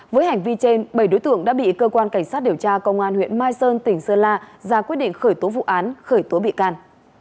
với hành vi trên bảy đối tượng đã bị cơ quan cảnh sát điều tra công an huyện mai sơn tỉnh sơn la ra quyết định khởi tố vụ án khởi tố bị can